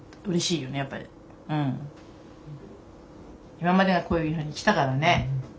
今までがこういうふうにきたからね。